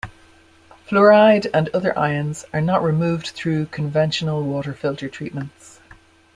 Fluoride and other ions are not removed through conventional water filter treatments.